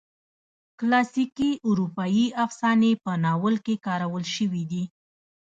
کلاسیکي اروپایي افسانې په ناول کې کارول شوي دي.